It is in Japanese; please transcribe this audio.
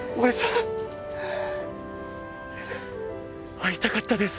会いたかったです。